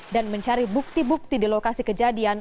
dan mencari bukti bukti di lokasi kejadian